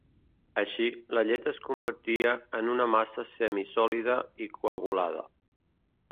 Així, la llet es convertia en una massa semisòlida i coagulada.